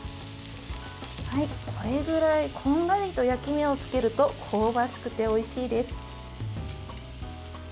これぐらいこんがりと焼き目をつけると香ばしくておいしいです。